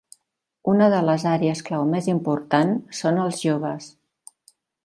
Una de les àrees clau més important són els joves.